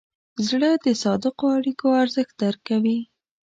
زړه د صادقو اړیکو ارزښت درک کوي.